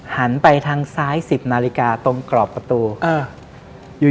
หันไปทางซ้าย๑๐นาฬิกาตรงกรอบประตูอยู่